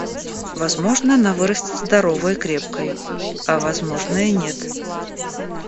Возможно, она вырастет здоровой и крепкой, а возможно, и нет.